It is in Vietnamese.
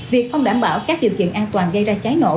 việc không đảm bảo các điều kiện an toàn gây ra cháy nổ